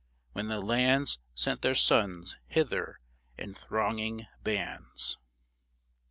When the lands Sent their sons hither in thronging bands.